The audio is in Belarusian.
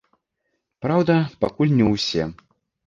Праўда, пакуль не ўсе.